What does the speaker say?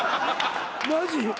マジ？